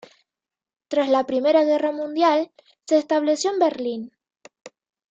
Tras la Primera Guerra Mundial se estableció en Berlín.